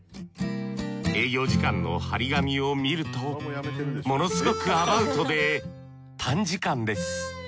営業時間の張り紙を見るとものすごくアバウトで短時間です。